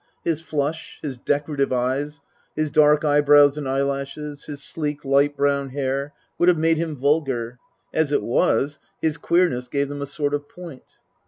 His flush, his decorative eyes, his dark eyebrows and eyelashes, his sleek, light brown hair, would have made him vulgar. As it was, his queerness gave them a sort of point.